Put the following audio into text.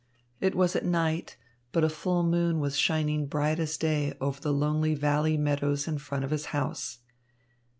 It was at night, but a full moon was shining bright as day over the lonely valley meadows in front of his house.